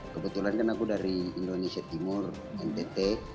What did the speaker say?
kebetulan kan aku dari indonesia timur ntt